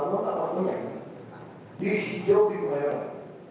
walaupun dia selalu gelap